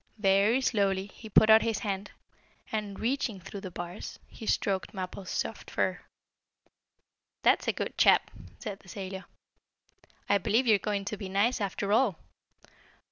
Very slowly he put out his hand, and, reaching through the bars, he stroked Mappo's soft fur. "That's a good chap!" said the sailor. "I believe you are going to be nice after all."